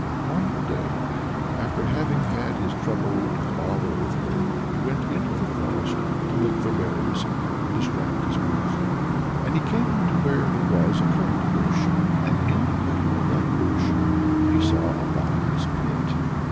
One day, after having had his trouble and bother with her he went into the forest to look for berries and distract his grief, and he came to where there was a currant bush, and in the middle of that bush he saw a bottomless pit.